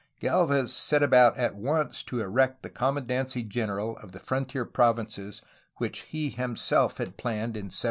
G^lvez set about at once to erect the commandancy general of the frontier provinces which he himself had planned in 1768.